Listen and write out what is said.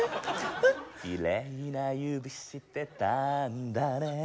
「奇麗な指してたんだね